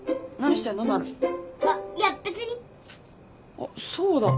あっそうだ。